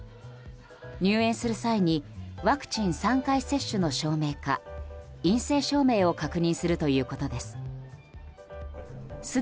入園する際にワクチン３回接種の証明か陰性証明を確認するということです。